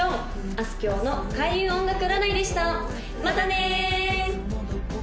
あすきょうの開運音楽占いでしたまたね！